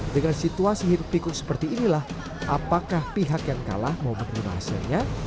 dengan situasi hirup pikuk seperti inilah apakah pihak yang kalah mau menerima hasilnya